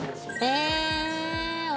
え！